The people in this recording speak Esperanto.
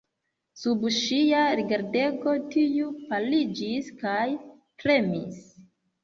Sub ŝia rigardego tiu paliĝis kaj tremis.